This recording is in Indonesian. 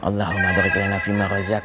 allahumma darikirina fi ma'razzak